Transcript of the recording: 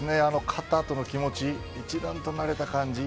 勝ったあとの気持ち一丸となれた感じ